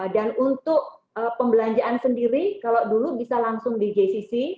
dan untuk pembelanjaan sendiri kalau dulu bisa langsung di gcc